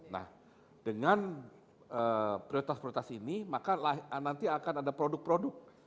nah dengan prioritas prioritas ini maka nanti akan ada produk produk